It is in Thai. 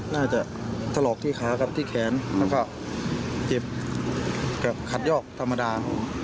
ถลอกที่ขากับที่แขนแล้วก็เจ็บกับขัดยอกธรรมดา